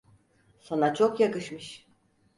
Sana çok yakışmış.